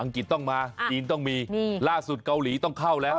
กฤษต้องมาจีนต้องมีล่าสุดเกาหลีต้องเข้าแล้ว